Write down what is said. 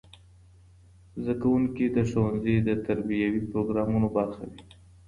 زدهکوونکي د ښوونځي د تربیوي پروګرامونو برخه وي.